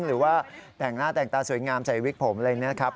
หรือว่าแต่งหน้าแต่งตาสวยงามใส่วิกผมอะไรอย่างนี้ครับ